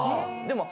でも。